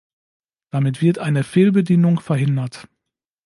Damit wird eine Fehlbedienung verhindert.